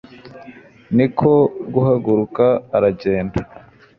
ni ko guhaguruka aragenda